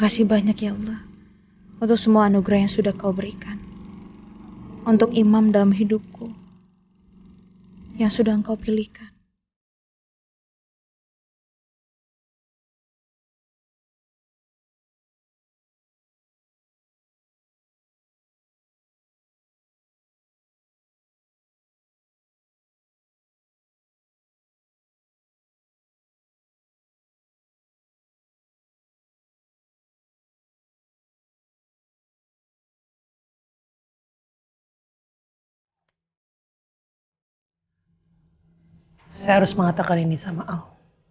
saya harus mengatakan ini sama al